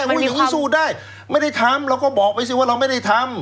พูดอย่างนี้สู้ได้ไม่ได้ทำเราก็บอกไปสิว่าเราไม่ได้ทำ